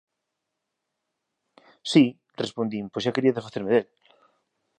«Si», respondín, pois xa quería desfacerme del.